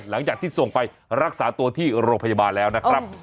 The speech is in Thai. หลังจากที่ส่งไปรักษาตัวที่โรงพยาบาลแล้วนะครับ